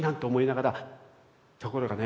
ところがね